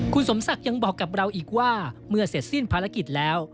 คุณสมศักดิ์ยังบอกกับเราอีกว่าเมื่อเสร็จสิ้นภารกิจแล้ว